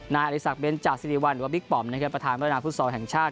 นายอริสักเบนจาสิริวัลหรือว่าบิ๊กปอมนะครับประธานพัฒนาฟุตซอลแห่งชาติ